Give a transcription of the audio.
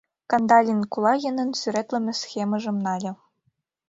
Кандалин Кулагинын сӱретлыме схемыжым нале.